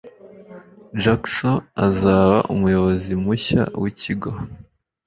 Jackson azaba umuyobozi mushya wikigo.